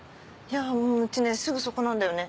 家ねすぐそこなんだよね。